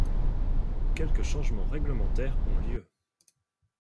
Quelques changements réglementaires ont lieu.